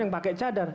yang pakai cadar